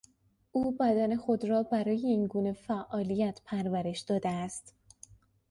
او بدن خود را برای اینگونه فعالیت پرورش داده است.